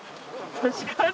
確かに。